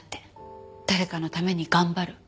誰かのために頑張る。